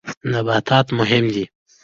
نباتات مهم دي.